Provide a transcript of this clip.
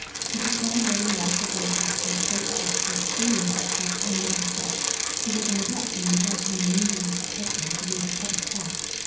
She could turn away the wrath of rent collectors, rate collectors, school inspectors, and magistrates. She was an adept in enticing an inebriated husband to leave a public house.